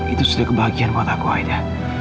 itu sudah kebahagiaan buat aku aida